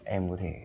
em có thể